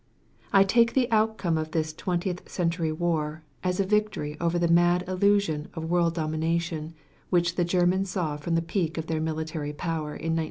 I take the outcome of this Twentieth Century War as a victory over the mad illusion of world dominion which the Germans saw from the peak of their military power in 1914.